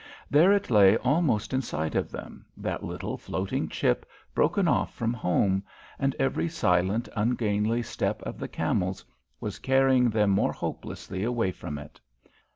There it lay almost in sight of them, that little floating chip broken off from home, and every silent, ungainly step of the camels was carrying them more hopelessly away from it.